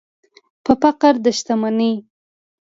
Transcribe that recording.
پر فقر د شتمنۍ